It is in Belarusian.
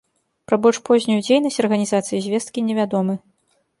Пра больш познюю дзейнасць арганізацыі звесткі невядомы.